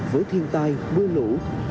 với thiên tai mưa lũ